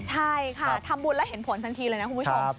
ใช่ค่ะทำบุญแล้วเห็นผลทันทีเลยนะคุณผู้ชม